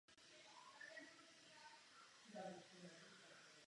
První patří na chvilku světla reflektorů a druhá je ignorována.